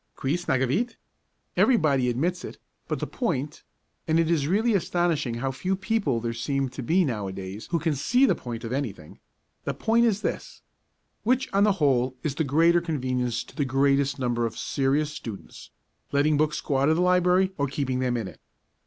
Quis negavit? Everybody admits it; but the point and it is really astonishing how few people there seem to be now a days who can see the point of any thing the point is this: which on the whole is the greater convenience to the greatest number of serious students, letting books go out of the library or keeping them in it?